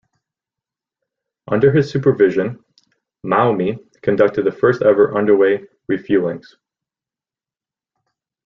Under his supervision, "Maumee" conducted the first-ever underway refuelings.